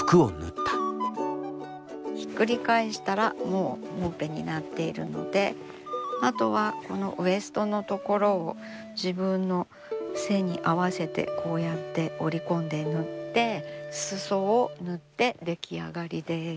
ひっくり返したらもうもんぺになっているのであとはこのウエストの所を自分の背に合わせてこうやって折り込んで縫って裾を縫って出来上がりです。